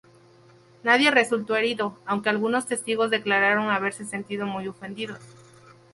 Nadie resultó herido, aunque algunos testigos declararon haberse sentido muy ofendidos.